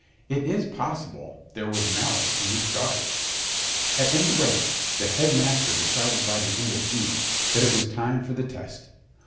It is possible there was malice in this charge. At any rate, the Headmaster decided by the end of June that it was time for the test.